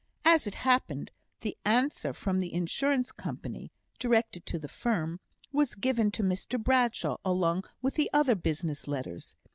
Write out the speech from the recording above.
As it happened, the answer from the Insurance Company (directed to the firm) was given to Mr Bradshaw along with the other business letters.